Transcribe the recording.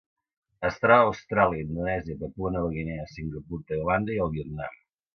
Es troba a Austràlia, Indonèsia, Papua Nova Guinea, Singapur, Tailàndia i el Vietnam.